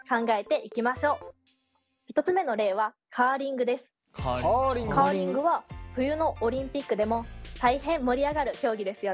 １つ目の例はカーリングは冬のオリンピックでも大変盛り上がる競技ですよね。